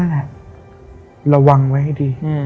ระวังไว้ให้ดี